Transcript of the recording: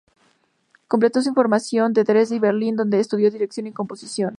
Completó su formación en Dresde y Berlín, donde estudió dirección y composición.